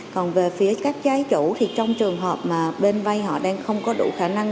còn về phía các trái chủ thì trong trường hợp mà bên vay họ đang không có đủ khả năng